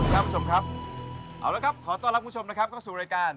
คุณผู้ชมครับขอต้อนรับคุณผู้ชมเข้าสู่รายการ